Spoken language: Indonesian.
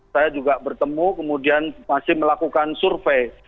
saya juga bertemu kemudian masih melakukan survei